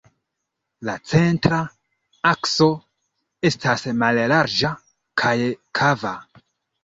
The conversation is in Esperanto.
La centra akso estas mallarĝa kaj kava.